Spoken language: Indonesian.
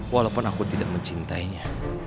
walaupun aku tidak mencintainya